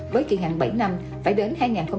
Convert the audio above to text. với kỳ hạn bảy năm phải đến